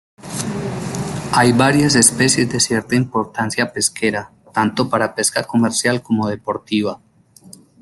Hay varias especies de cierta importancia pesquera, tanto para pesca comercial como deportiva.